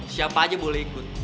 siapa aja boleh ikut